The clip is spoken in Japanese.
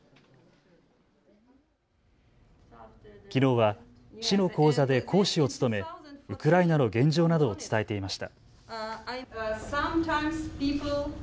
きのうは市の講座で講師を務めウクライナの現状などを伝えていました。